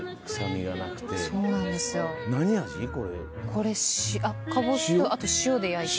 これかぼすとあと塩で焼いて。